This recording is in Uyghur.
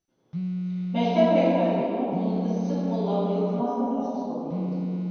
مەكتەپ رەھبەرلىكىمۇ ئۇنى ئىزچىل قوللاپ ئىلتىماسىنى تەستىقلىدى.